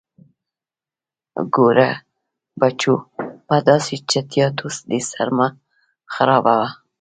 _ګوره بچو، په داسې چټياټو دې سر مه خرابوه.